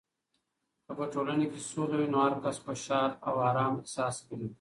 که په ټولنه کې سوله وي، نو هرکس خوشحال او ارام احساس کوي.